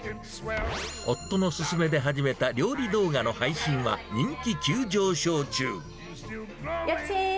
夫の勧めで始めた料理動画の配信は人気急上昇中。